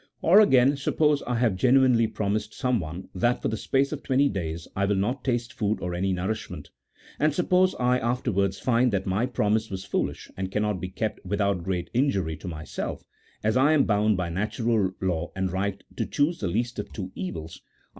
Or again, suppose I have genuinely pro mised someone that for the space of twenty days I will not taste food or any nourishment ; and suppose I after wards find that my promise was foolish, and cannot be kept without very great injury to myself ; as I am bound by natural law and right to choose the least of two evils, I 1 See Note 26. 204 A THEOLOGICO POLITICAL TREATISE. [CHAP. XVI.